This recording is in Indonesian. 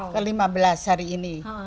kelimabelas hari ini